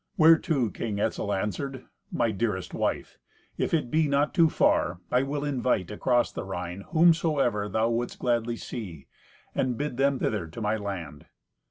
Whereto King Etzel answered, "My dearest wife, if it be not too far, I will invite across the Rhine whomsoever thou wouldst gladly see, and bid them hither to my land."